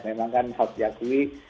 memang kan harus diakui